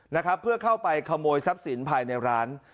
นะครับเพื่อเข้าไปขโมยทรัพย์สินภายในร้าน